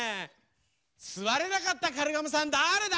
すわれなかったカルガモさんだれだ？